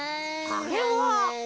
あれは。